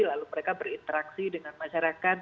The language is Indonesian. lalu mereka berinteraksi dengan masyarakat